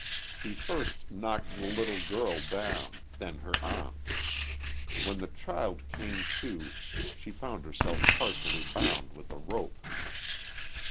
He first knocked the little girl down, then her aunt. When the child "came to" she found herself partially bound with a rope.